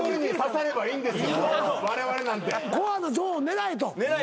コアなゾーン狙えと。